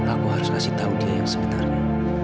aku harus kasih tahu dia yang sebenarnya